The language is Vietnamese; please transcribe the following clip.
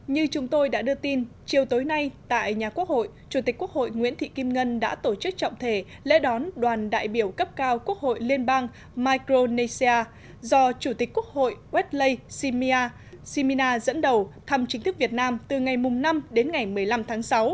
như chúng tôi đã đưa tin chiều tối nay tại nhà quốc hội chủ tịch quốc hội nguyễn thị kim ngân đã tổ chức trọng thể lễ đón đoàn đại biểu cấp cao quốc hội liên bang micronesia do chủ tịch quốc hội westley shimir shimina dẫn đầu thăm chính thức việt nam từ ngày năm đến ngày một mươi năm tháng sáu